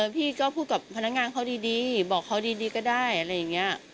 พี่ก็พูดกับพนักงานเขาดีบอกเขาดีก็ได้อะไรอย่างนี้